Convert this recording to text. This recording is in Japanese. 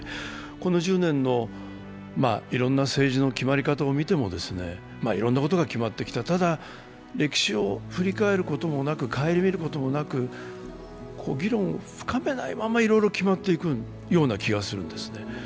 この１０年のいろんな政治の決まり方を見てもいろいろなことが決まってきた、ただ、歴史を振り返ることもなく、顧みることもなく、議論を深めないまま、いろいろ決まっていくような気がするんですね。